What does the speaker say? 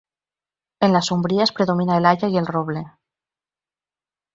En las umbrías predomina el haya y roble.